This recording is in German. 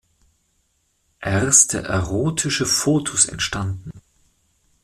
Erste erotische Fotos entstanden.